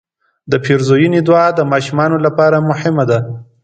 د پیرزوینې دعا د ماشومانو لپاره مهمه ده.